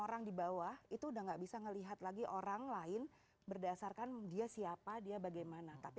orang di bawah itu udah nggak bisa melihat lagi orang lain berdasarkan dia siapa dia bagaimana tapi